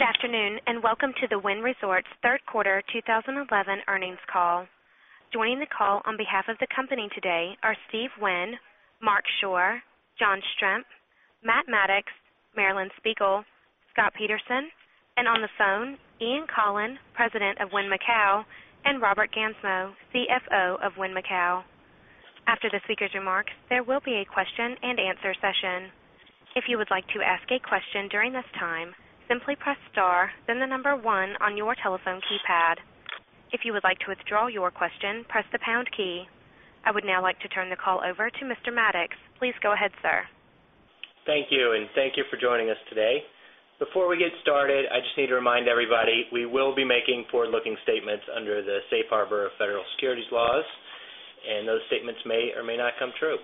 Good afternoon and welcome to the Wynn Resort's third quarter 2011 earnings call. Joining the call on behalf of the company today are Steve Wynn, Marc Schorr, John Strzemp, Matt Maddox, Marilyn Spiegel, Scott Peterson, and on the phone, Ian Coughlan, President of Wynn Macau, and Robert Gansmo, CFO of Wynn Macau. After the speaker's remarks, there will be a question-and-answer session. If you would like to ask a question during this time, simply press star, then the number one on your telephone keypad. If you would like to withdraw your question, press the pound key. I would now like to turn the call over to Mr. Maddox. Please go ahead, sir. Thank you, and thank you for joining us today. Before we get started, I just need to remind everybody we will be making forward-looking statements under the safe harbor of federal securities laws, and those statements may or may not come true.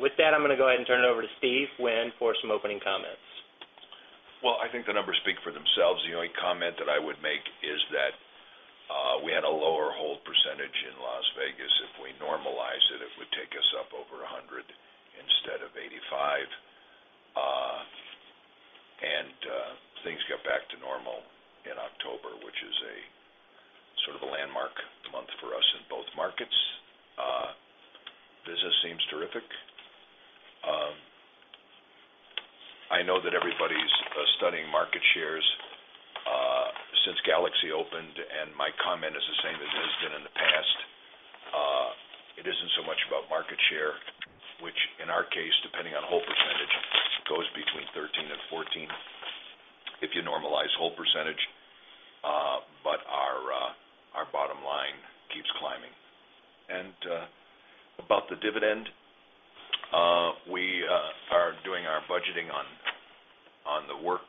With that, I'm going to go ahead and turn it over to Steve Wynn for some opening comments. I think the numbers speak for themselves. The only comment that I would make is that we had a lower hold percentage in Las Vegas. If we normalize it, it would take us up over 100 instead of 85. Things got back to normal in October, which is a sort of a landmark month for us in both markets. Business seems terrific. I know that everybody's studying market shares since Galaxy opened, and my comment is the same as it has been in the past. It isn't so much about market share, which in our case, depending on hold percentage, goes between 13% and 14% if you normalize hold percentage. Our bottom line keeps climbing. About the dividend, we are doing our budgeting on the work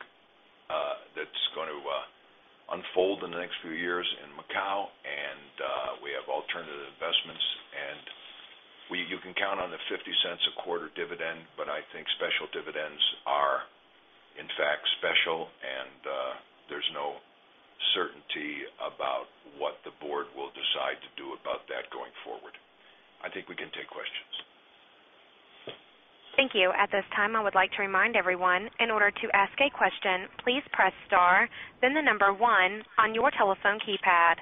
that's going to unfold in the next few years in Macau, and we have alternative investments. You can count on the $0.50 a quarter dividend, but I think special dividends are, in fact, special, and there's no certainty about what the board will decide to do about that going forward. I think we can take questions. Thank you. At this time, I would like to remind everyone, in order to ask a question, please press star, then the number one on your telephone keypad.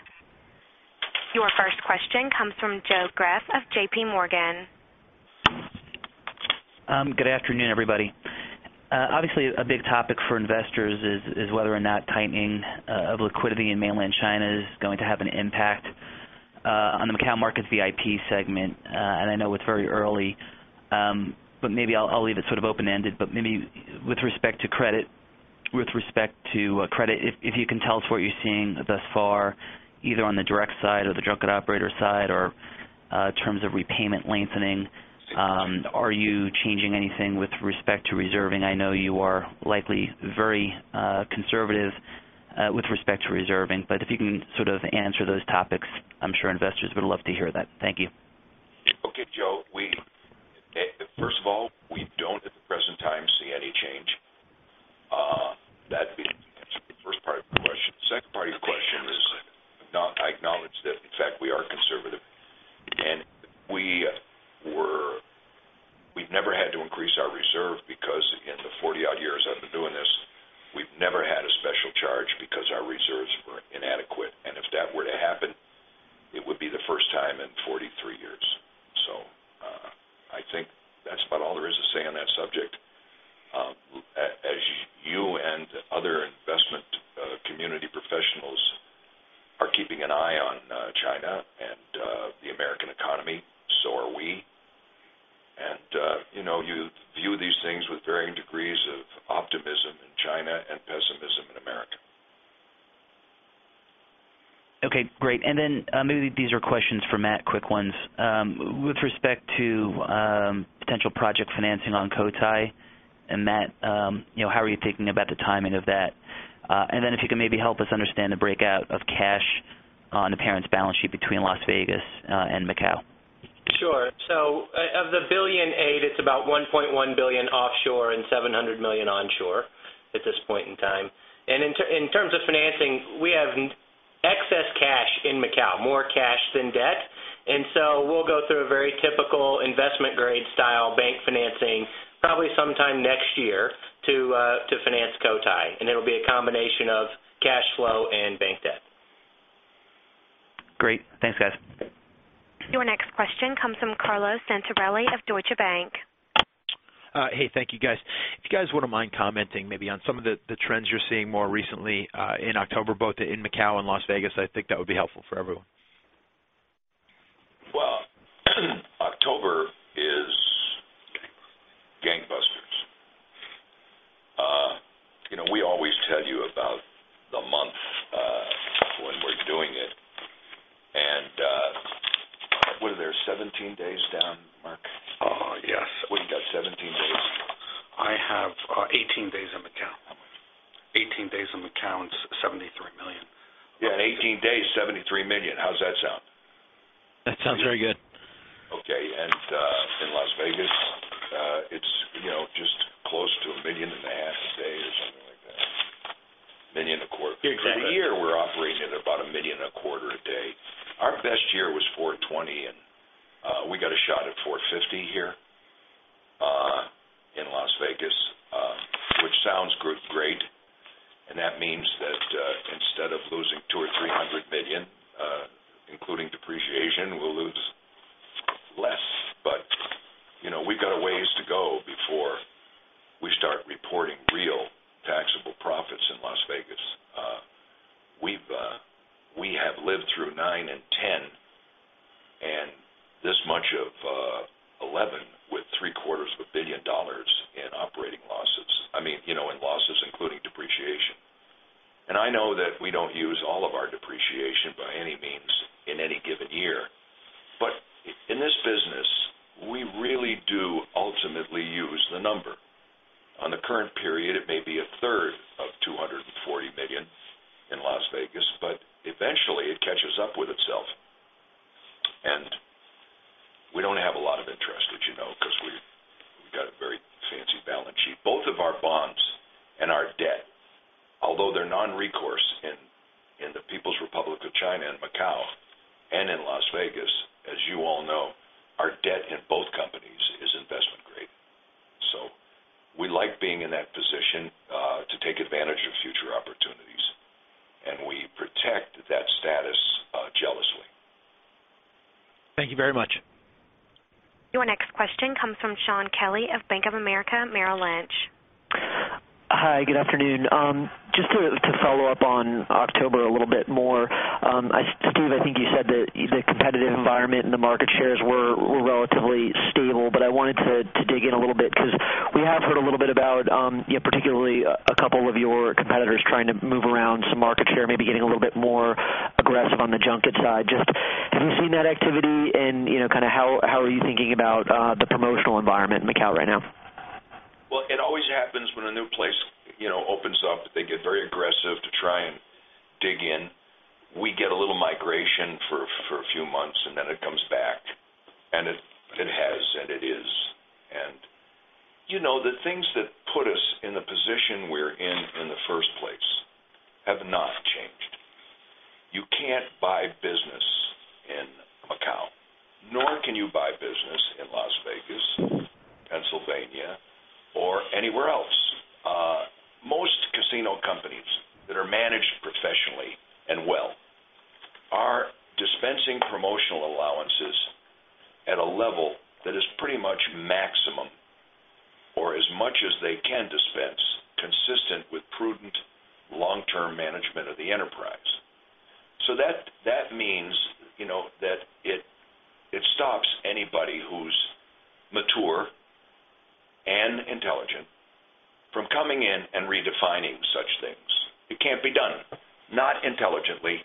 Your first question comes from Joe Greff of JPMorgan. Good afternoon, everybody. Obviously, a big topic for investors is whether or not tightening of liquidity in mainland China is going to have an impact on the Macau market's VIP segment. I know it's very early, but maybe I'll leave it sort of open-ended. Maybe with respect to credit, if you can tell us what you're seeing thus far, either on the direct side or the junket operator side, or in terms of repayment lengthening, are you changing anything with respect to reserving? I know you are likely very conservative with respect to reserving, but if you can sort of answer those topics, I'm sure investors would love to hear that. Thank you. Okay, Joe. First of all, we don't, at the present time, see any change. That's excess cash in Macau, more cash than debt. We'll go through a very typical investment-grade style bank financing, probably sometime next year, to finance Cotai. It'll be a combination of cash flow and bank debt. Great. Thanks, guys. Your next question comes from Carlo Santarelli of Deutsche Bank. Hey, thank you, guys. If you guys wouldn't mind commenting maybe on some of the trends you're seeing more recently in October, both in Macau and Las Vegas, I think that would be helpful for everyone. October is gangbusters. We always tell you about the month when we're doing it. What are there, 17 days down, Marc? Yes. We got 17 days. I have 18 days in Macau, 18 days in Macau and $73 million. Yeah, in 18 days, $73 million. How's that sound? That sounds very good. In Las Vegas, it's just close to $1.5 million a day or something like that, $1.25 million. Exactly. In a year, we're operating at about $1.25 million a day. Our best year was $420 million, and we got a shot at $450 million here in Las Vegas, which sounds great. That means that instead of losing $200 million or $300 million, including depreciation, we'll lose less. You know we've got a ways to go before we start reporting real taxable profits in Las Vegas. We have lived through 2009 and 2010 and this much of 2011 with three quarters of $1 billion in operating losses, I mean, in losses including depreciation. I know that we don't use all of our depreciation by any means in any given year, but in this business, we really do ultimately use the number. On the current period, it may be 1/3 of $240 million in Las Vegas, but eventually, it catches up with itself. We don't have a lot you seen that activity? You know, how are you thinking about the promotional environment in Macau right now? It always happens when a new place opens up that they get very aggressive to try and dig in. We get a little migration for a few months, and then it comes back. It has, and it is. The things that put us in the position we're in in the first place have not changed. You can't buy business in Macau, nor can you buy business in Las Vegas, Pennsylvania, or anywhere else. Most casino companies that are managed professionally and well are dispensing promotional allowances at a level that is pretty much maximum or as much as they can dispense, consistent with prudent long-term management of the enterprise. That means that it stops anybody who's mature and intelligent from coming in and redefining such things. It can't be done, not intelligently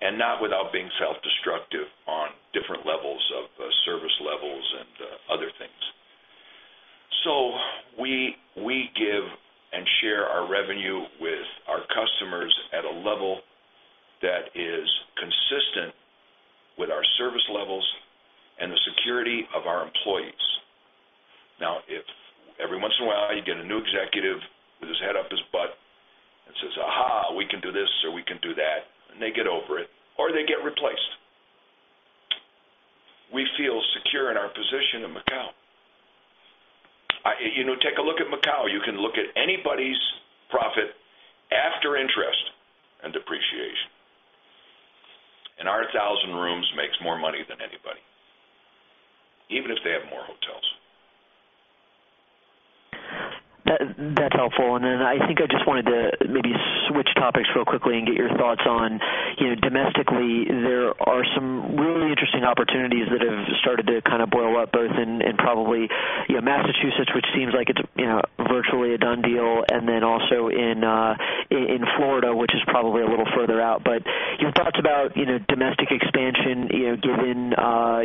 and not without being self-destructive on different levels of service levels and other things. We give and share our revenue with our customers at a level that is consistent with our service levels and the security of our employees. If every once in a while you get a new executive who's a head up his butt and says, "Aha, we can do this or we can do that," and they get over it or they get replaced, we feel secure in our position at Macau. Take a look at Macau. You can look at anybody's profit after interest and depreciation. Our 1,000 rooms make more money than anybody, even if they have more hotels. That's helpful. I think I just wanted to maybe switch topics real quickly and get your thoughts on, you know, domestically, there are some really interesting opportunities that have started to kind of boil up both in probably, you know, Massachusetts, which seems like it's virtually a done deal, and also in Florida, which is probably a little further out. Your thoughts about domestic expansion, you know, given,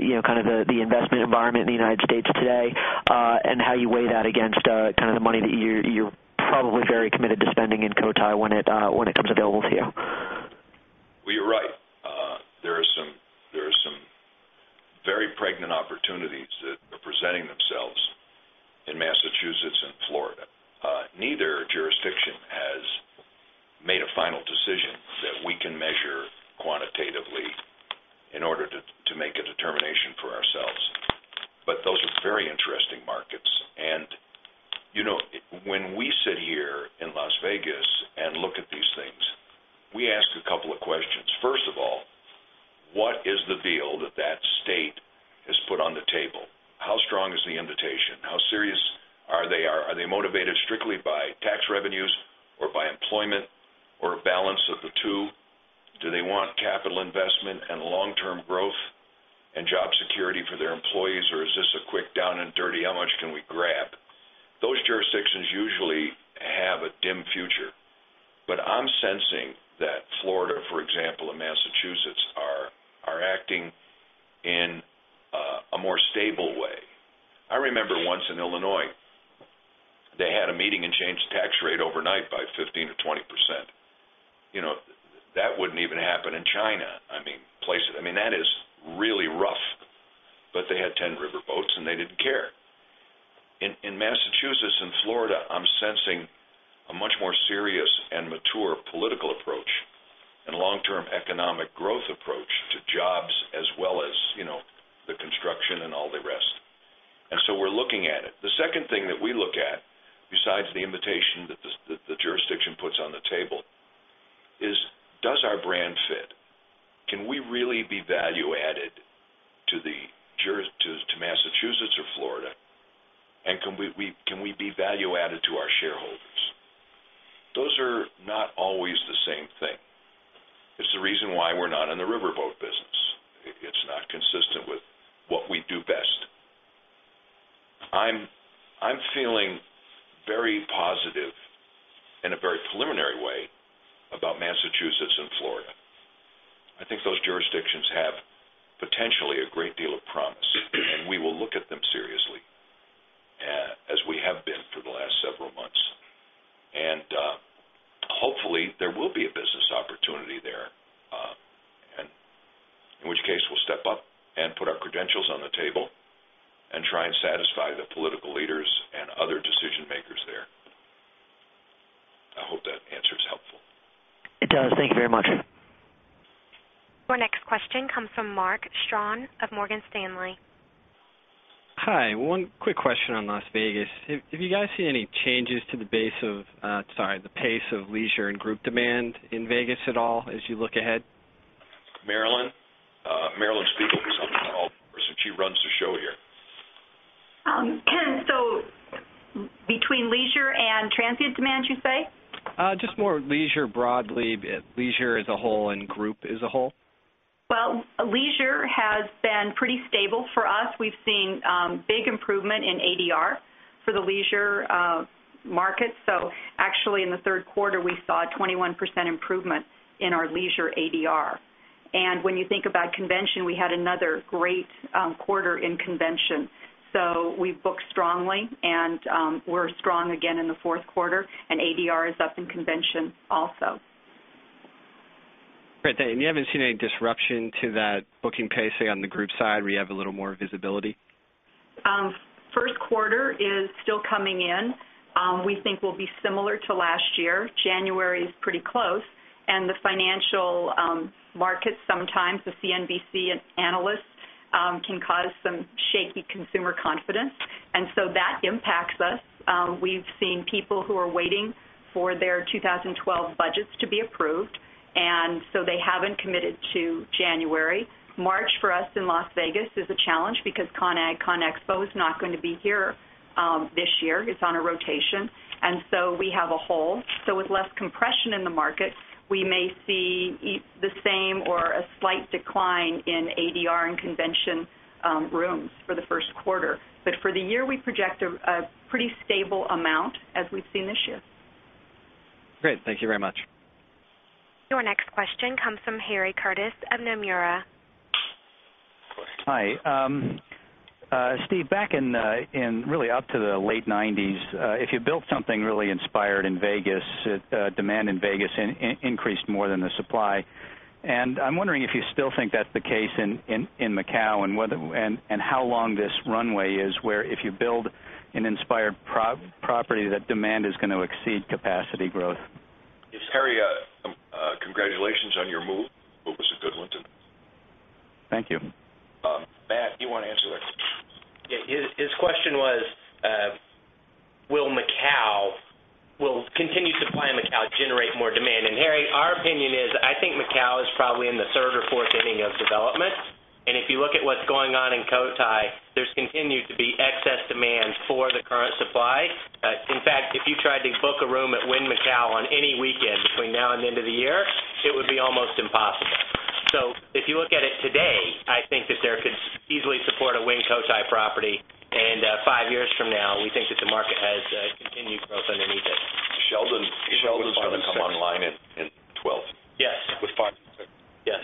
you know, kind of the investment environment in the United States today and how you weigh that against kind of the money that you're probably very committed to spending in Cotai when it comes available to you? You're right. There are some very pregnant opportunities that are presenting themselves in Massachusetts and Florida. Neither jurisdiction has made a final decision that we can measure quantitatively in order to make a determination for ourselves. Those are very interesting markets. You know, when we sit here in Las Vegas and look at these things, we ask a couple of questions. First of all, what is the deal that that state has put on the table? How strong is the invitation? How serious are they? Are they motivated strictly by tax revenues or by employment or a balance of the two? Do they want capital investment and long-term growth and job security for their employees, or is this a quick down and dirty? How much can we grab? Those jurisdictions usually have a dim future. I'm sensing that Florida, for example, and Massachusetts are acting in a more stable way. I remember once in Illinois, they had a meeting and changed the tax rate overnight by 15%-20%. That wouldn't even happen in China. I mean, place it. That is really rough. They had 10 riverboats, and they didn't care. In Massachusetts and Florida, I'm sensing a much more serious and mature political approach and long-term economic growth approach to jobs as well as the construction and all the rest. We're looking at it. The second thing that we look at, besides the invitation that the jurisdiction puts on the table, is does our brand fit? Can we really be value added to Massachusetts or Florida? Can we be value added to our shareholders? Those are not always the same thing. It's the reason why we're not in the riverboat business. It's not consistent with what we do best. I'm feeling very positive in a very preliminary way about Massachusetts and Florida. I think those jurisdictions have potentially a great deal of promise. We will look at them seriously, as we have been for the last several months. Hopefully, there will be a business opportunity there, in which case, we'll step up and put our credentials on the table and try and satisfy the political leaders and other decision makers there. I hope that answer is helpful. It does. Thank you very much. Our next question comes from Mark Strawn of Morgan Stanley. Hi. One quick question on Las Vegas. Have you guys seen any changes to the pace of leisure and group demand in Las Vegas at all as you look ahead? Marilyn Spiegel. She runs the show here. Oh, so between leisure and transit demand, you say? Just more leisure broadly, leisure as a whole and group as a whole. Leisure has been pretty stable for us. We've seen big improvement in ADR for the leisure market. Actually, in the third quarter, we saw a 21% improvement in our leisure ADR. When you think about convention, we had another great quarter in convention. We book strongly and we're strong again in the fourth quarter. ADR is up in convention also. Great. You haven't seen any disruption to that booking pace on the group side? We have a little more visibility. First quarter is still coming in. We think we'll be similar to last year. January is pretty close. The financial market sometimes, the CNBC analysts, can cause some shaky consumer confidence. That impacts us. We've seen people who are waiting for their 2012 budgets to be approved, so they haven't committed to January. March for us in Las Vegas is a challenge because ConExpo is not going to be here this year. It's on a rotation, and we have a hole. With less compression in the market, we may see the same or a slight decline in ADR and convention rooms for the first quarter. For the year, we project a pretty stable amount as we've seen this year. Great, thank you very much. Your next question comes from Harry Curtis of Nomura. Hi. Steve, back in really up to the late 1990s, if you built something really inspired in Las Vegas, demand in Las Vegas increased more than the supply. I'm wondering if you still think that's the case in Macau and how long this runway is where if you build an inspired property, that demand is going to exceed capacity growth. Harry, congratulations on your move. It was a good one. Thank you. Matt, you want to answer that question? Yeah, his question was, will Macau, will continued supply in Macau generate more demand? Harry, our opinion is, I think Macau is probably in the third or fourth inning of development. If you look at what's going on in Cotai, there's continued to be excess demand for the current supply. In fact, if you tried to book a room at Wynn Macau on any weekend between now and the end of the year, it would be almost impossible. If you look at it today, I think that there could easily support a Wynn Cotai property. Five years from now, we think that the market has continued growth underneath it. Sheldon's going to come online in 2012. Yes, with partnership.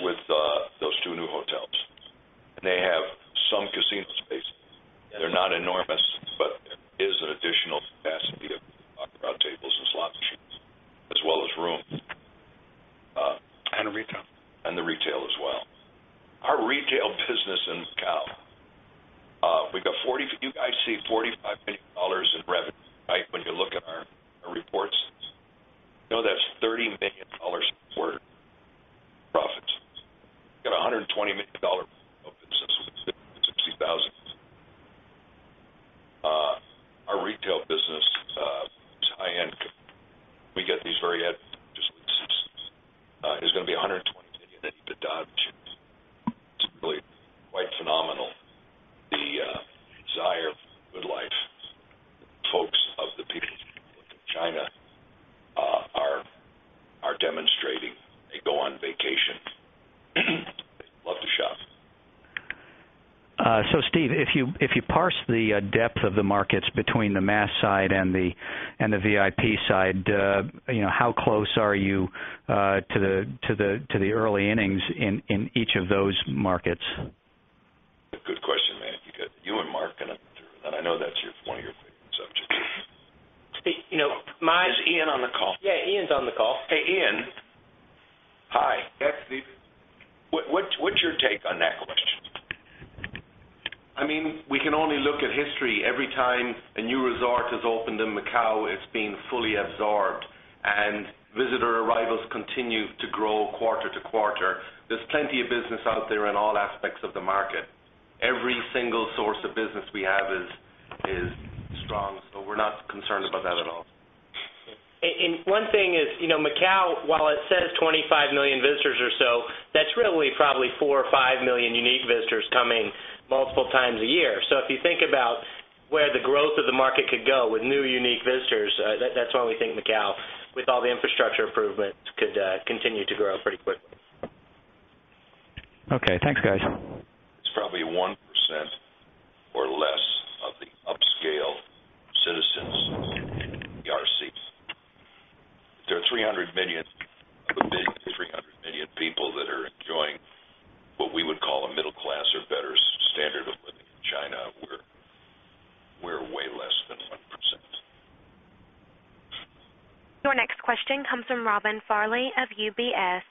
With those two new hotels, they have some casino space. They're not enormous, but it is an additional capacity of talking about tables and slot machines, as well as room. And retail. The retail as well. Our retail business in Macau, you guys see $45 million in revenue, right? When you look at our reports, you know that's $30 million worth of profits. We got a $120 million profit of $60,000. Our retail business is high-end. We get these very advantageous leases. It's going to be $120 million that you could dodge. Really quite phenomenal. The desire of good life that the folks of the people of China are demonstrating. They go on vacation. Love to shop. Steve, if you parse the depth of the markets between the mass side and the VIP side, you know, how close are you to the early innings in each of those markets? Good question, man. You and Marc can answer it. I know that's one of your subjects. Hey, you know my. Is Ian Coughlan on the call? Yeah, Ian Coughlan's on the call. Hey, Ian. Hi. Yes Steve. What's your take on that question? I mean, we can only look at history. Every time a new resort has opened in Macau, it's been fully absorbed. Visitor arrivals continue to grow quarter to quarter. There's plenty of business out there in all aspects of the market. Every single source of business we have is strong. We're not concerned about that at all. And one thing is, you know, Macau, while it says 25 million visitors or so, that's really probably 4 million or 5 million unique visitors coming multiple times a year. If you think about where the growth of the market could go with new unique visitors, that's why we think Macau, with all the infrastructure improvements, could continue to grow pretty quickly. Okay, thanks, guys. It's probably 1% or less of the upscale citizens in the RC. There are 300 million, a billion to 300 million people that are enjoying what we would call a middle class or better standard of living in China. We're way less than 1%. Your next question comes from Robin Farley of UBS.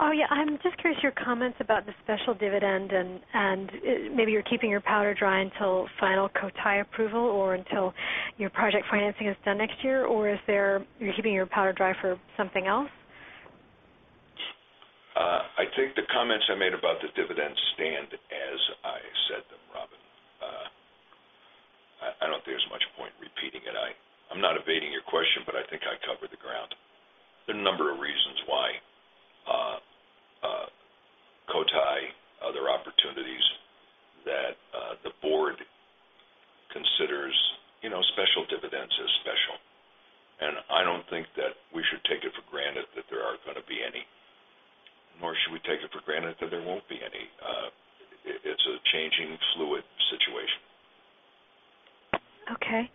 Oh, yeah. I'm just curious your comments about the special dividend and maybe you're keeping your powder dry until final Cotai approval or until your project financing is done next year, or is there you're keeping your powder dry for something else? I think the comments I made about the dividend stand as I said them, Robin. I don't think there's much point in repeating it. I'm not evading your question, but I think I covered the ground. There are a number of reasons why Cotai, other opportunities that the board considers, you know, special dividends as special. I don't think that we should take it for granted that there aren't going to be any, nor should we take it for granted that there won't be any. It's a changing, fluid situation. Okay.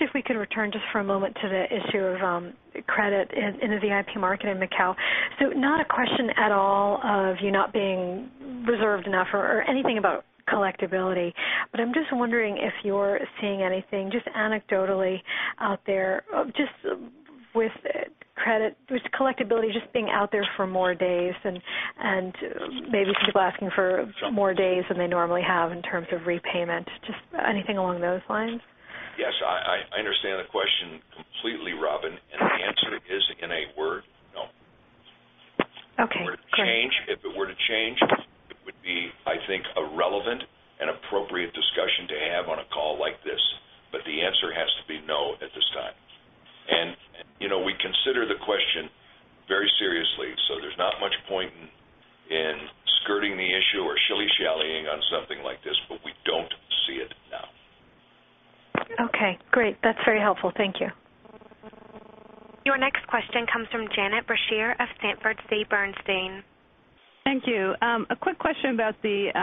If we could return just for a moment to the issue of credit in the VIP market in Macau. It is not a question at all of you not being reserved enough or anything about collectibility. I'm just wondering if you're seeing anything, anecdotally, out there with credit, with collectibility just being out there for more days and maybe some people asking for more days than they normally have in terms of repayment. Anything along those lines? Yes, I understand the question completely, Robin. The answer is in a word, no. Okay. If it were to change, it would be, I think, a relevant and appropriate discussion to have on a call like this. The answer has to be no at this time. You know, we consider the question very seriously. There's not much point in skirting the issue or shilly shallying on something like this, but we don't see it now. Okay, great. That's very helpful. Thank you. Your next question comes from Janet Brashear of Sanford C. Bernstein. Thank you. A quick question about the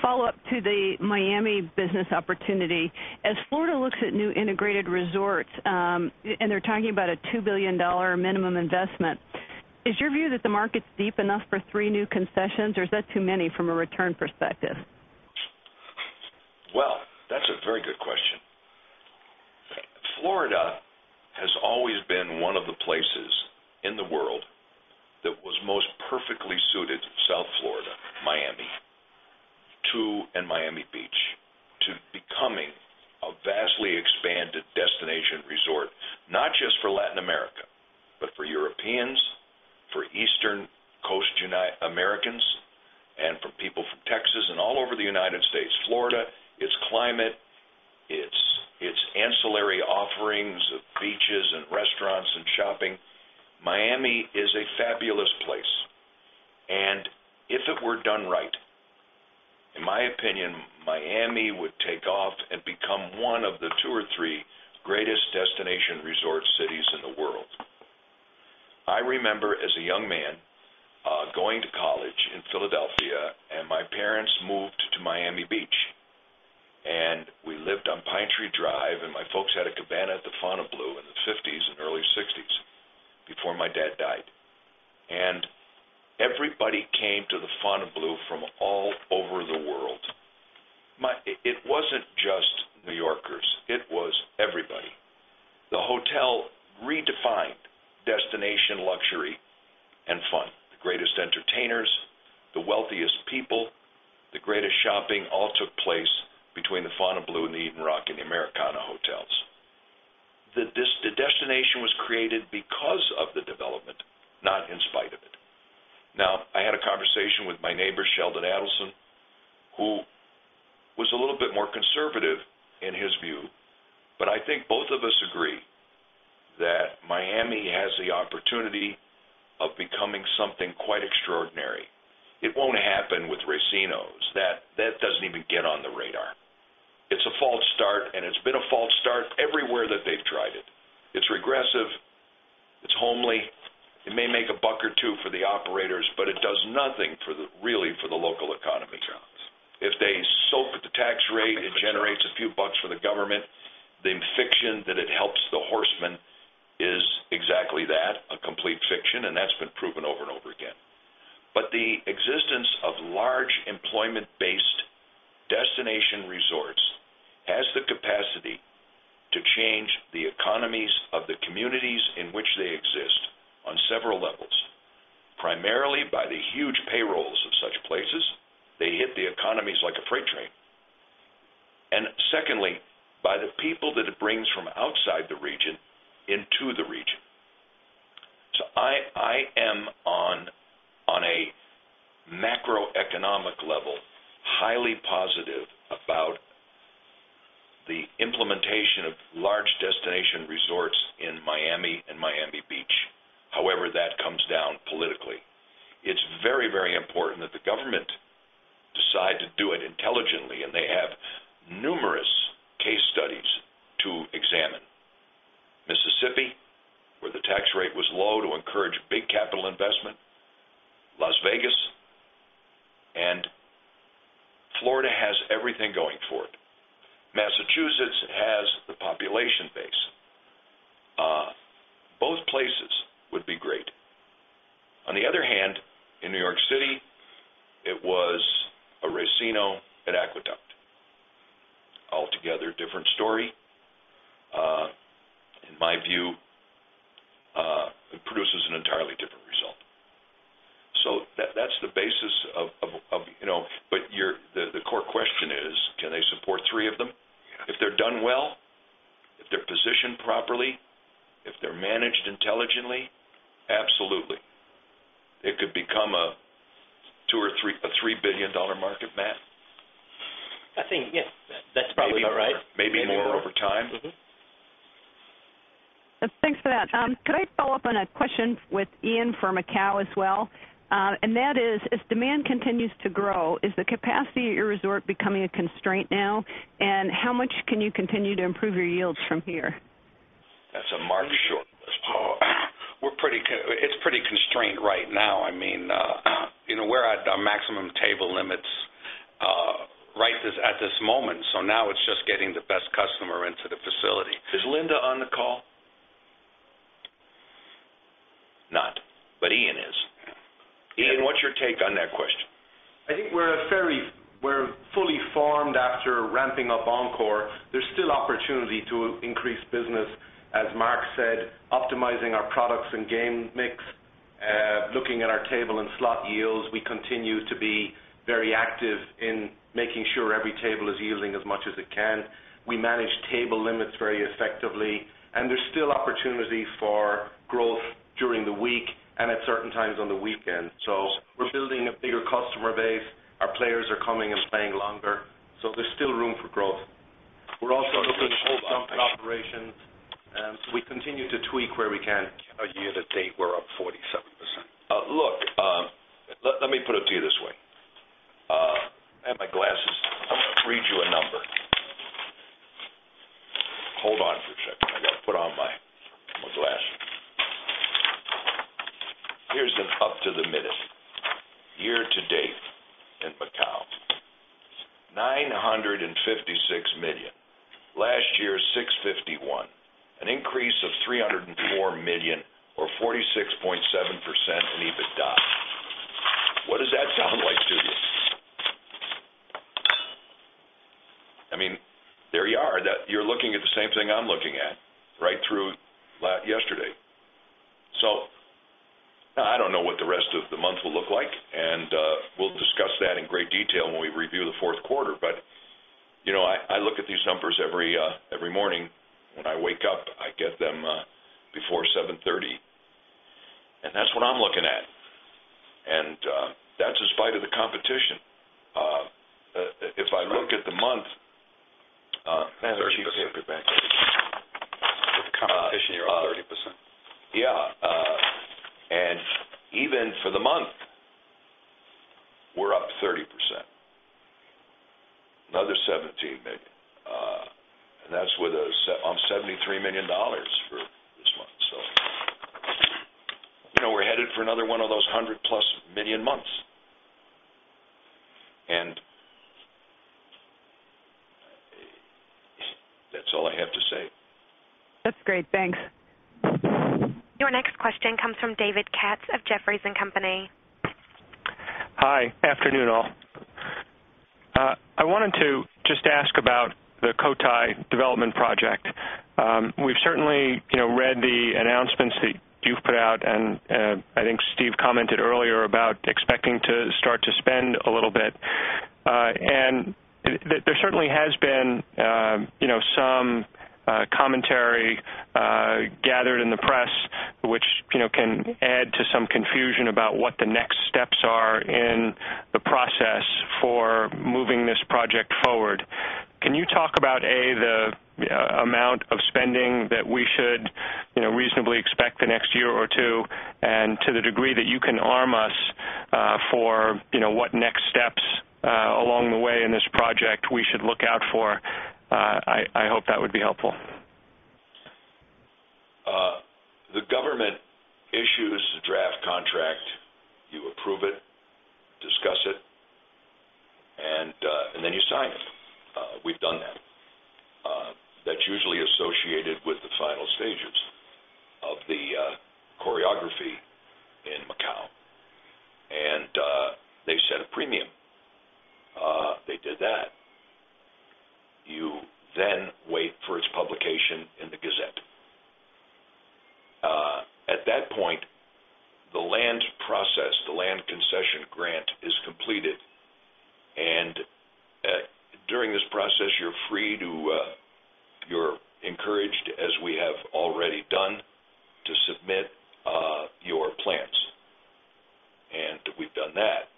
follow-up to the Miami business opportunity. As Florida looks at new integrated resorts, and they're talking about a $2 billion minimum investment, is your view that the market's deep enough for three new concessions, or is that too many from a return perspective? That's a very good question. Florida has always been one of the places in the world that was most perfectly suited, South Florida, Miami, and Miami Beach, to becoming a vastly expanded destination resort, not just for Latin America, but for Europeans, for Eastern Coast Americans, and for people from Texas and all over the United States. Florida, its climate, its ancillary offerings of features and restaurants and shopping, Miami is a fabulous place. If it were done right, in my opinion, Miami would take off and become one of the two or three greatest destination resort cities in the world. I remember as a young man going to college in Philadelphia, and my parents moved to Miami Beach. We lived on Pinetree Drive, and my folks had a cabana at the Fontainebleau in the 1950s and early 1960s before my dad died. Everybody came to the Fontainebleau from all over the world. It wasn't just New Yorkers. It was everybody. The hotel redefined destination luxury and fun. The greatest entertainers, the wealthiest people, the greatest shopping all took place between the Fontainebleau and the Eden Roc and the Americana Hotels. The destination was created because of the development, not in spite of it. I had a conversation with my neighbor, Sheldon Adelson, who was a little bit more conservative in his view. I think both of us agree that Miami has the opportunity of becoming something quite extraordinary. It won't happen with racinos. That doesn't even get on the radar. It's a false start, and it's been a false start everywhere that they've tried it. It's regressive. It's homely. It may make a buck or two for the operators, but it does nothing really for the local economy. If they soak the tax rate, it generates a few bucks for the government. The fiction that it helps the horsemen is exactly that, a complete fiction, and that's been proven over and over again. The existence of large employment-based destination resorts has the capacity to change the economies of the communities in which they exist on several levels, primarily by the huge payrolls of such places. They hit the economies like a freight train. Secondly, by the people that it brings from outside the region into the region. I am on a macroeconomic level highly positive about the implementation of large destination resorts in Miami and Miami Beach, however that comes down politically. It's very, very important that the government decide to do it intelligently, and they have numerous case studies to examine. Mississippi, where the tax rate was low to encourage big capital investment, Las Vegas, and Florida has everything going for it. Massachusetts has the population base. Both places would be great. On the other hand, in New York City, it was a racino and aqueduct. Altogether, different story. In my view, it produces an entirely different result. That's the basis of, you know, but the core question is, can they support three of them? If they're done well, if they're positioned properly, if they're managed intelligently, absolutely. It could become a $2 billion or $3 billion market, Matt. I think, yeah, that's probably about right. Maybe more over time. Thanks for that. Could I follow up on a question with Ian from Macau as well? As demand continues to grow, is the capacity of your resort becoming a constraint now? How much can you continue to improve your yields from here? That's a Marc Schorr question. It's pretty constrained right now. I mean, we're at our maximum table limits right at this moment. It's just getting the best customer into the facility. Is Linda on the call? Not, but Ian is. Ian, what's your take on that question? I think we're fully farmed after ramping up Encore. There's still opportunity to increase business. As Marc said, optimizing our products and game mix, looking at our table and slot yields, we continue to be very active in making sure every table is yielding as much as it can. We manage table limits very effectively. There's still opportunity for growth during the week and at certain times on the weekend. We're building a bigger customer base. Our players are coming and playing longer. There's still room for growth. We're also looking at jumping operations. We continue to tweak where we can. Can I give you the date we're up 47%? Look, let me put it to you this way. I have my glasses. I'm going to read you a number. Hold on for a second. I'm going to put on my glasses. Here's an up to the minute, year to date in Macau. $956 million. Last year, $651 million. An increase of $304 million or 46.7% in EBITDA. What does that sound like to you? I mean, there you are. You're looking at the same thing I'm looking at right through yesterday. I don't know what the rest of the month will look like. We'll discuss that in great detail when we review the fourth quarter. You know, I look at these numbers every morning when I wake up. I get them before 7:30 A.M. That's what I'm looking at. That's in spite of the competition. If I look at the month. The competition here is 30%. Yeah, and even for the month, we're up 30%, another $17 million. That's with a $73 million for this month. You know, we're headed for another one of those 100+ million months. That's all I have to say. That's great. Thanks. Your next question comes from David Katz of Jefferies and Company. Hi, afternoon all. I wanted to just ask about the Cotai development project. We've certainly read the announcements that you've put out, and I think Steve commented earlier about expecting to start to spend a little bit. There certainly has been some commentary gathered in the press, which can add to some confusion about what the next steps are in the process for moving this project forward. Can you talk about, A, the amount of spending that we should reasonably expect the next year or two, and to the degree that you can arm us for what next steps along the way in this project we should look out for? I hope that would be helpful. The government issues the draft contract, you approve it, discuss it, and then you sign it. We've done that. That's usually associated with the final stages of the choreography in Macau. They set a premium. They did that. You then wait for its publication in the Gazette. At that point, the land process, the land concession grant is completed. During this process, you're free to, you're encouraged, as we have already done, to submit your plans. We've done that.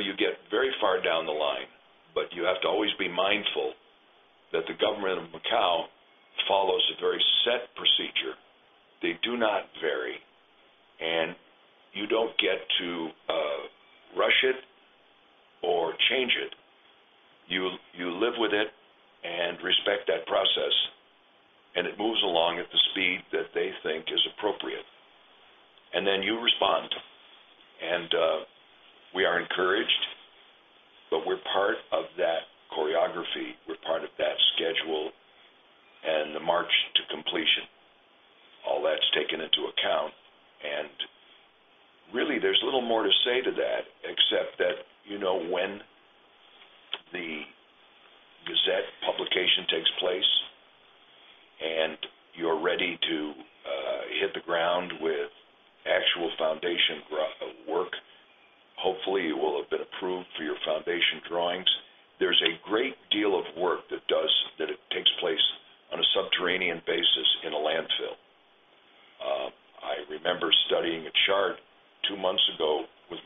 You get very far down the line, but you have to always be mindful that the government of Macau follows a very set procedure. They do not vary. You don't get to rush it or change it. You live with it and respect that process. It moves along at the speed that they think is appropriate. You respond. We are encouraged, but we're part of that choreography. We're part of that schedule and the march to completion. All that's taken into account. Really, there's little more to say to that except that you know when the Gazette publication takes place and you're ready to hit the ground with actual foundation work. Hopefully, you will have been approved for your foundation drawings. There's a great deal of work that takes place on a subterranean basis in a landfill. I remember studying a chart two months ago with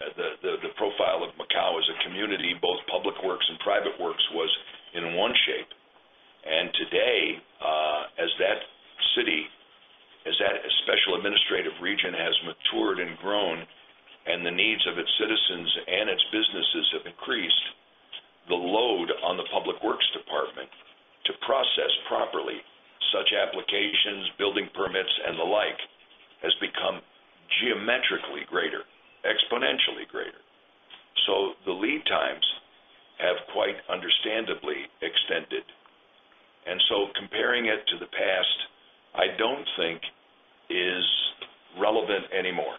the profile of Macau as a community, both public works and private works was in one shape. Today, as that city, as that special administrative region has matured and grown and the needs of its citizens and its businesses have increased, the load on the public works department to process properly such applications, building permits, and the like has become geometrically greater, exponentially greater. The lead times have quite understandably extended. Comparing it to the past, I don't think is relevant anymore.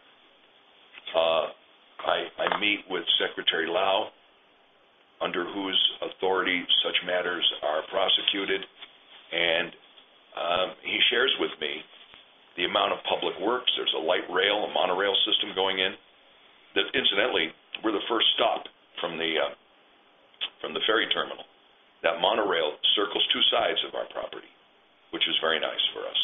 I meet with Secretary Lau, under whose authority such matters are prosecuted, and he shares with me the amount of public works. There's a light rail, a monorail system going in. Incidentally, we're the first stop from the ferry terminal. That monorail circles two sides of our property, which is very nice for us.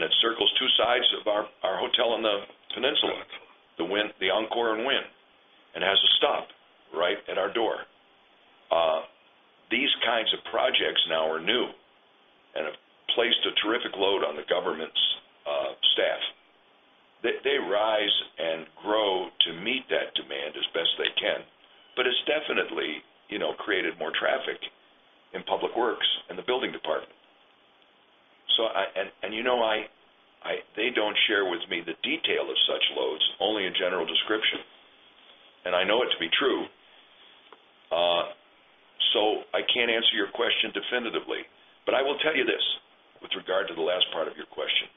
It circles two sides of our hotel on the peninsula, the Encore and Wynn, and has a stop right at our door. These kinds of projects now are new and have placed a terrific load on the government's staff. They rise and grow to meet that demand as best they can. It's definitely created more traffic in public works and the building department. They don't share with me the detail of such loads, only a general description. I know it to be true. I can't answer your question definitively. I will tell you this with regard to the last part of your question.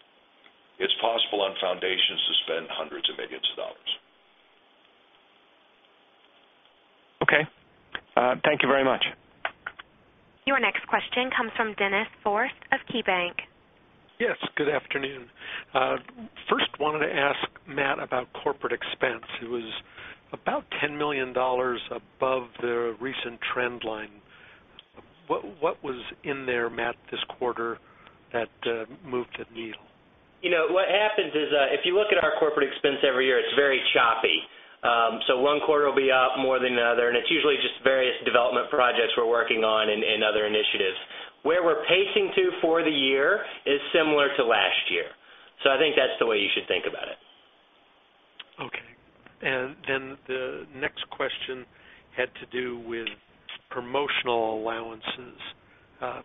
It's possible on foundations to spend hundreds of millions of dollars. Okay, thank you very much. Your next question comes from Dennis Forst of KeyBanc. Yes, good afternoon. First, I wanted to ask Matt about corporate expense. It was about $10 million above the recent trend line. What was in there, Matt, this quarter that moved the needle? You know, what happens is if you look at our corporate expense every year, it's very choppy. One quarter will be up more than another. It's usually just various development projects we're working on and other initiatives. Where we're pacing to for the year is similar to last year. I think that's the way you should think about it. Okay. The next question had to do with promotional allowances.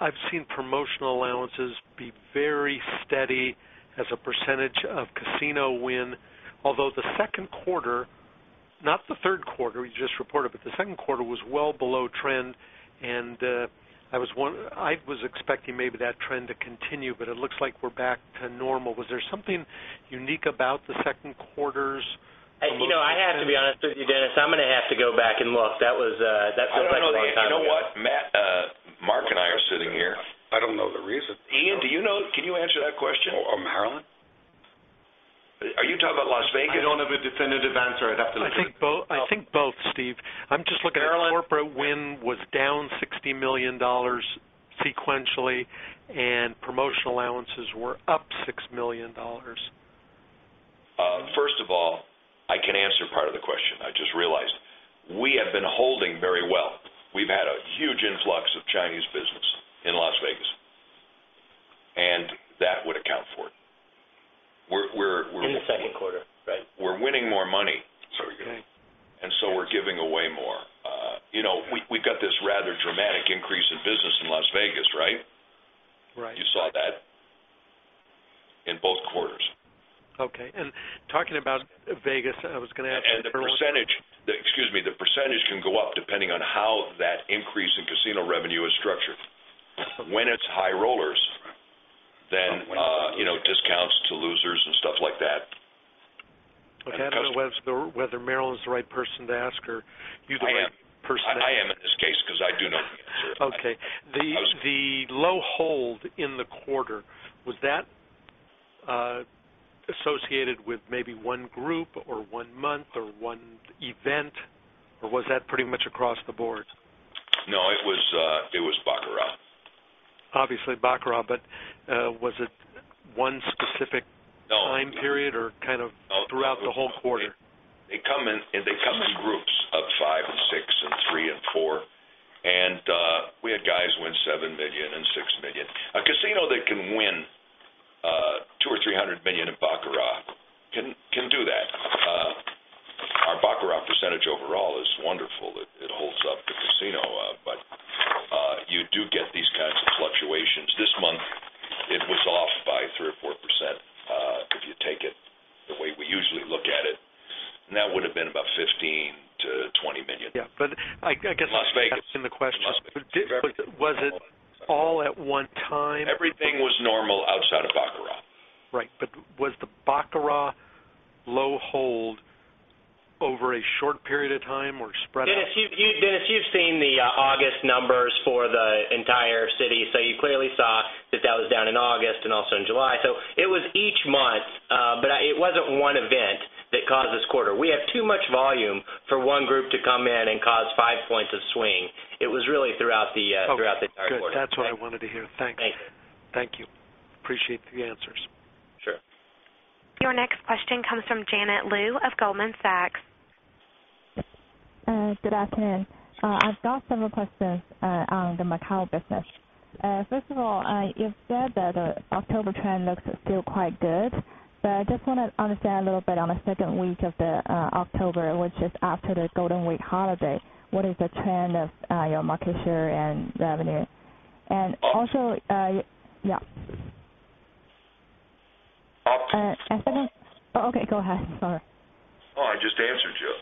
I've seen promotional allowances be very steady as a percentage of casino win, although the second quarter, not the third quarter we just reported, but the second quarter was well below trend. I was expecting maybe that trend to continue, but it looks like we're back to normal. Was there something unique about the second quarters? You know, I have to be honest with you, Dennis, I'm going to have to go back and look. That feels like a long time ago. You know what, Matt, Marc and I are sitting here. I don't know the reason. Ian, do you know, can you answer that question or, Marilyn? Are you talking about Las Vegas? I don't have a definitive answer. I'd have to look at it. I think both, Steve. I'm just looking at corporate win was down $60 million sequentially, and promotional allowances were up $6 million. First of all, I can answer part of the question. I just realized we've been holding very well. We've had a huge influx of Chinese business in Las Vegas. That would account for it. In the second quarter, right? We're winning more money, sorry, and so we're giving away more. You know, we've got this rather dramatic increase in business in Las Vegas, right? Right. You saw that in both quarters. Okay, talking about Vegas, I was going to ask a question. The percentage can go up depending on how that increase in casino revenue is structured. When it's high rollers, then, you know, discounts to losers and stuff like that. Okay. I don't know whether Marilyn's the right person to ask or you the right person to ask. I am in this case because I do know the answer. Okay. The low hold in the quarter, was that associated with maybe one group or one month or one event, or was that pretty much across the board? No, it was Baccarat. Obviously, Baccarat, but was it one specific time period or kind of throughout the whole quarter? They come in groups of five and six and three and four. We had guys win $7 million and $6 million. A casino that can win $200 million or $300 million in Baccarat can do that. Our Baccarat percentage overall is wonderful. It holds up the casino. You do get these kinds of fluctuations. This month, it was off by 3% or 4% if you take it the way we usually look at it. That would have been about $15 million-$20 million. Yeah, I guess that's in the question. Was it all at one time? Everything was normal outside of Baccarat. Right. Was the Baccarat low hold over a short period of time or spread? Dennis, you've seen the August numbers for the entire city. You clearly saw that that was down in August and also in July. It was each month, but it wasn't one event that caused this quarter. We have too much volume for one group to come in and cause five points of swing. It was really throughout the quarter. Good. That's what I wanted to hear. Thanks. Thanks. Thank you. Appreciate the answers. Sure. Your next question comes from Janet Lu of Goldman Sachs. Good afternoon. I've got several questions on the Macau business. First of all, you've said that the October trend looks still quite good. I just want to understand a little bit on the second week of October, which is after the Golden Week holiday. What is the trend of your market share and revenue? Also, yeah. Oh, okay. Go ahead. Sorry. Oh, I just answered you.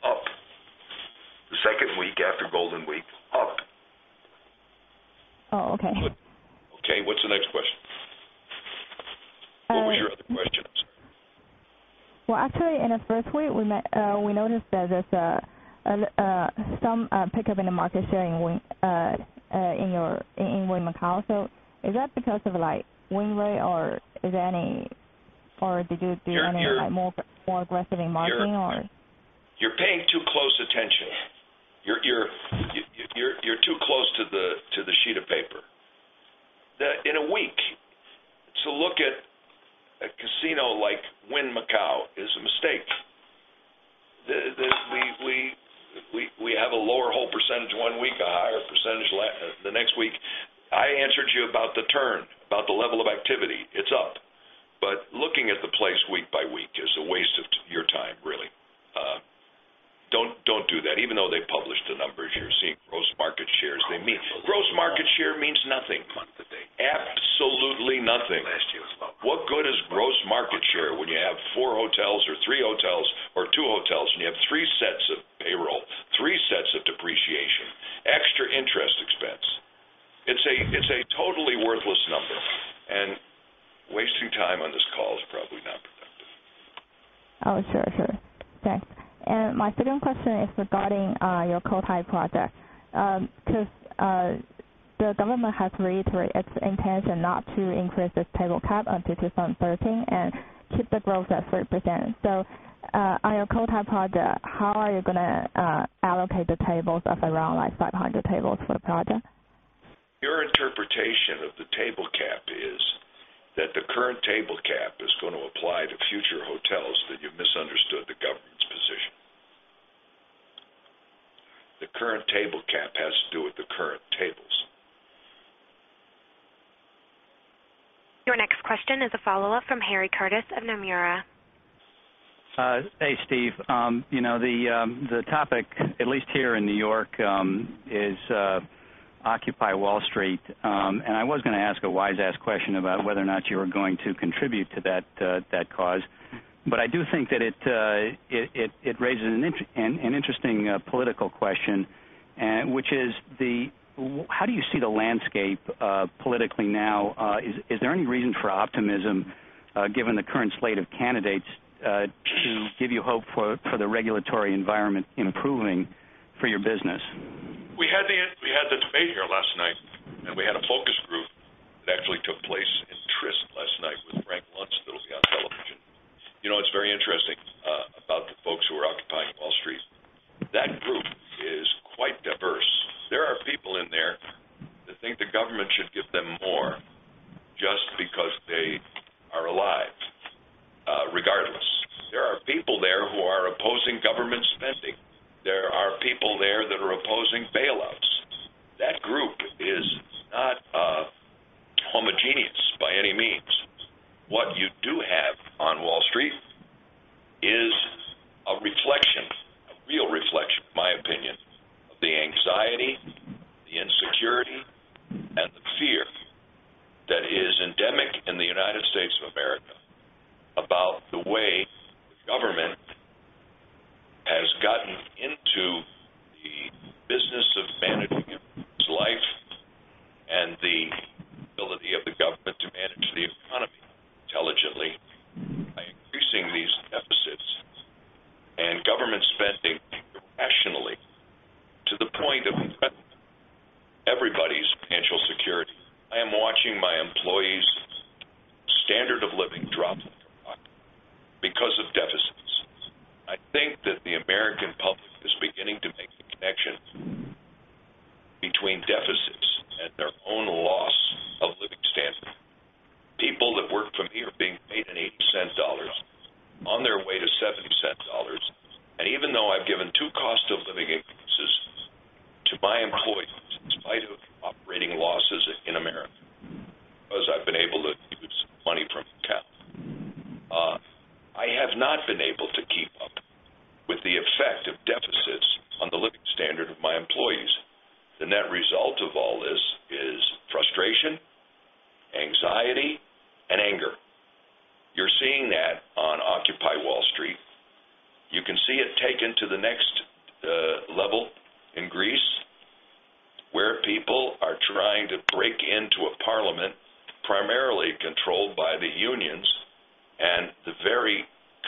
The second week after Golden Week. Oh, okay. Okay, what's the next question? What were your other questions? Actually, in the first week, we noticed that there's some pickup in the market share in Macau. Is that because of like win rate, or is there any, or did you do any more aggressive in marketing, or? You're paying too close attention. You're too close to the sheet of paper. In a week, to look at a casino like Wynn Macau is a mistake. We have a lower hold percentage one week, a higher percentage the next week. I answered you about the turn, about the level of activity. It's up. Looking at the place week by week is a waste of your time, really. Don't do that. Even though they published the numbers, you're seeing gross market shares. Gross market share means nothing month to date. Absolutely nothing. Last year. What good is gross market share when you have four hotels or three hotels or two hotels? You have three sets of payroll, three sets of depreciation, extra interest expense. It's a totally worthless number. Wasting time on this call is probably not productive. Oh, sure, sure. Okay. My second question is regarding your Cotai project. Because the government has reiterated its intention not to increase its table cap at 2013 and keep the growth at 3%. On your Cotai project, how are you going to allocate the tables of around 500 tables for the project? Your interpretation of the table cap is that the current table cap is going to apply to future hotels, that you misunderstood the government's position. The current table cap has to do with the current tables. Your next question is a follow-up from Harry Curtis of Nomura. Hey, Steve. You know, the topic, at least here in New York, is Occupy Wall Street. I was going to ask a wise-ass question about whether or not you were going to contribute to that cause. I do think that it raises an interesting political question, which is, how do you see the landscape politically now? Is there any reason for optimism given the current slate of candidates who give you hope for the regulatory environment improving for your business? We had the debate here last night, and we had a focus group that actually took place in Tryst last night with Frank Luntz that will be on television. It's very interesting about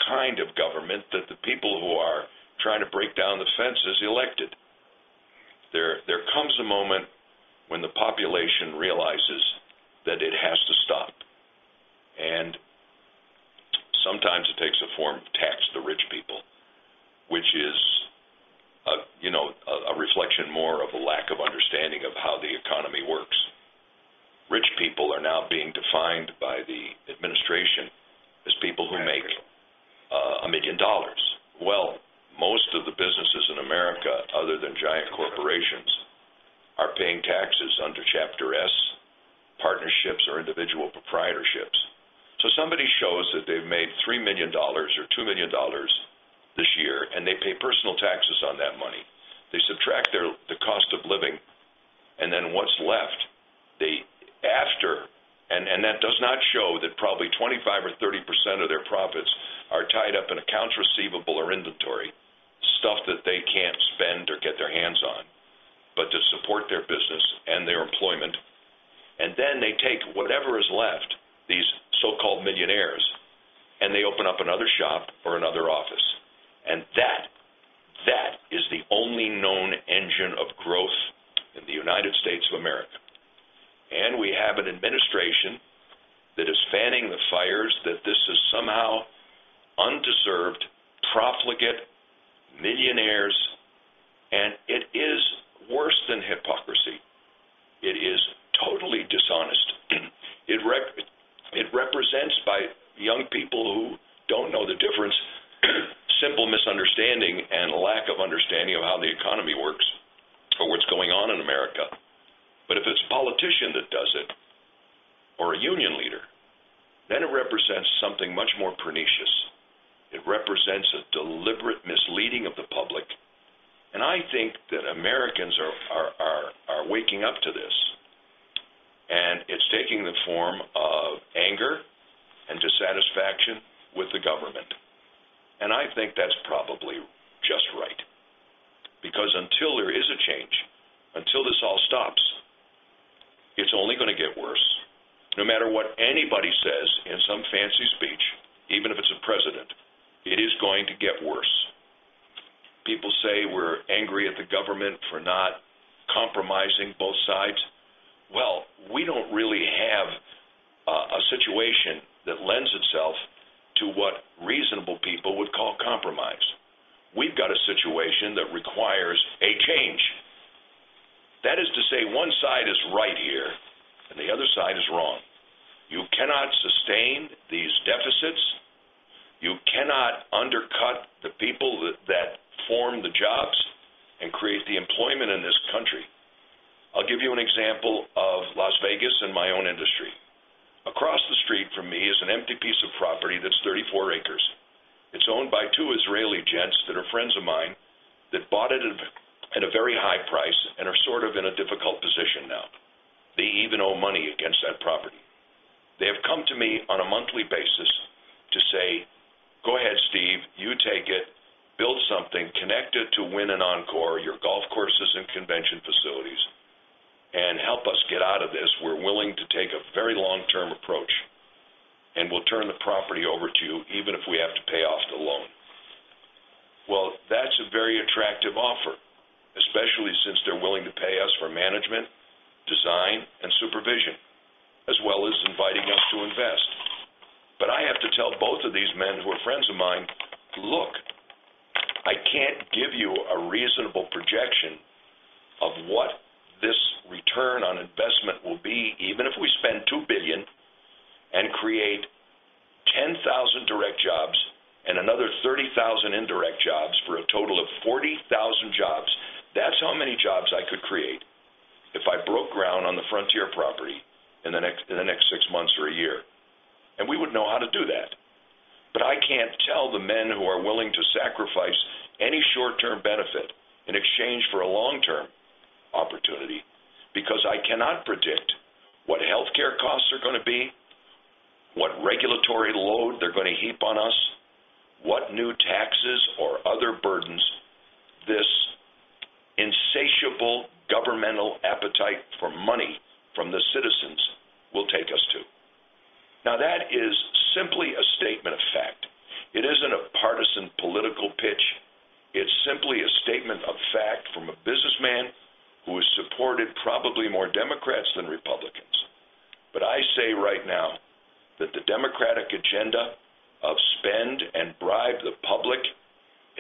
kind of government that the people who are trying to break down the fences elected. There comes a moment when the population realizes that it has to stop. Sometimes it takes a form of tax the rich people, which is a reflection more of a lack of understanding of how the economy works. Rich people are now being defined by the administration as people who make $1 million. Most of the businesses in America, other than giant corporations, are paying taxes under Chapter S, partnerships, or individual proprietorships. Somebody shows that they've made $3 million or $2 million this year, and they pay personal taxes on that money. They subtract the cost of living, and then what's left? That does not show that probably 25% or 30% of their profits are tied up in accounts receivable or inventory, stuff that they can't spend or get their hands on, but to support their business and their employment. They take whatever is left, these so-called millionaires, and they open up another shop or another office. That is the only known engine of growth in the United States of America. We have an administration that is fanning the fires that this is somehow undeserved, profligate millionaires, and it is worse than hypocrisy. It is totally dishonest. It represents, by young people who don't know the difference, a simple misunderstanding and lack of understanding of how the economy works or what's going on in America. If it's a politician that does it or a union leader, it represents something much more pernicious. It represents a deliberate misleading of the public. I think that Americans are waking up to this. It's taking the form of anger and dissatisfaction with the government. I think that's probably just right. Because until there is a change, until this all stops, it's only going to get worse. No matter what anybody says in some fancy speech, even if it's a president, it is going to get worse. People say we're angry at the government for not compromising both sides. We don't really have a situation that lends itself to what reasonable people would call compromise. We've got a situation that requires a change. That is to say, one side is right here and the other side is wrong. You cannot sustain these deficits. You cannot undercut the people that form the jobs and create the employment in this country. I'll give you an example of Las Vegas and my own industry. Across the street from me is an empty piece of property that's 34 acres. It's owned by two Israeli gents that are friends of mine that bought it at a very high price and are sort of in a difficult position now. They even owe money against that property. They have come to me on a monthly basis to say, "Go ahead, Steve. You take it. Build something. Connect it to Wynn and Encore, your golf courses and convention facilities. Help us get out of this. We're willing to take a very long-term approach. We'll turn the property over to you even if we have to pay off the loan." That is a very attractive offer, especially since they're willing to pay us for management, design, and supervision, as well as inviting us to invest. I have to tell both of these men who are friends of mine, Look, I can't give you a reasonable projection of what this return on investment will be even if we spend $2 billion and create 10,000 direct jobs and another 30,000 indirect jobs for a total of 40,000 jobs. That's how many jobs I could create if I broke ground on the frontier property in the next six months or a year, and we would know how to do that. I can't tell the men who are willing to sacrifice any short-term benefit in exchange for a long-term opportunity because I cannot predict what healthcare costs are going to be, what regulatory load they're going to heap on us, what new taxes or other burdens this insatiable governmental appetite for money from the citizens will take us to. That is simply a statement of fact. It isn't a partisan political pitch. It's simply a statement of fact from a businessman who has supported probably more Democrats than Republicans. I say right now that the Democratic agenda of spend and bribe the public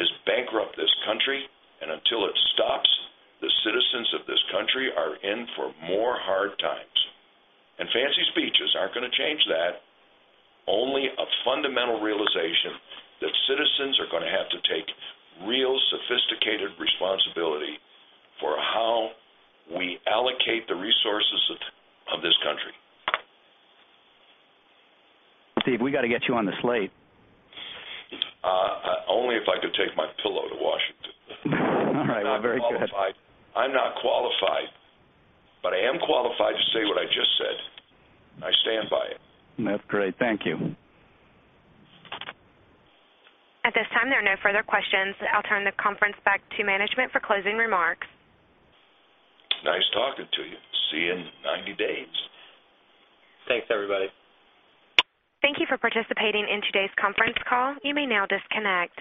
has bankrupted this country. Until it stops, the citizens of this country are in for more hard times. Fancy speeches aren't going to change that. Only a fundamental realization that citizens are going to have to take real sophisticated responsibility for how we allocate the resources of this country. Steve, we got to get you on the slate. Only if I could take my pillow to Washington. All right. Very good. I'm not qualified, but I am qualified to say what I just said. I stand by it. That's great. Thank you. At this time, there are no further questions. I'll turn the conference back to management for closing remarks. It's nice talking to you. See you in 90 days. Thanks, everybody. Thank you for participating in today's conference call. You may now disconnect.